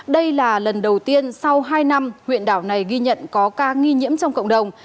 đây là lần đầu tiên sau hai năm huyện đảo này ghi nhận có ca nghi nhiễm trong cộng đồng